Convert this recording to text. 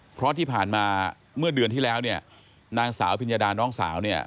เพราะที่ผ่านมาเมื่อเดือนที่แล้วเนี่ย